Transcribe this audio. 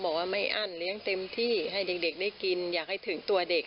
บอกว่าไม่อั้นเลี้ยงเต็มที่ให้เด็กได้กินอยากให้ถึงตัวเด็ก